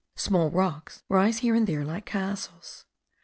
Small rocks rise here and there like castles.